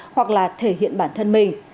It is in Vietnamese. hoặc là thể hiện bản thân mình